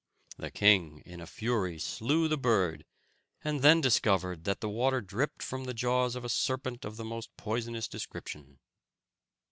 The king, in a fury, slew the bird, and then discovered that the water dripped from the jaws of a serpent of the most poisonous description.